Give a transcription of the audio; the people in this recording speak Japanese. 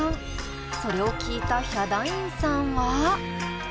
それを聴いたヒャダインさんは？